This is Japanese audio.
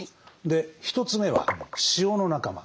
１つ目は塩の仲間。